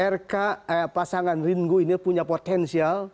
rk pasangan ringo ini punya potensial